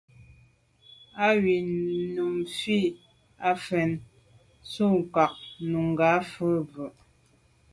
Á wʉ́ Nùmí fə̀ ə́ fáŋ ntɔ́ nkáà Nùgà fáà bɔ̀.